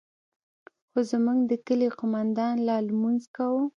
خو زموږ د كلي قومندان لا لمونځ كاوه.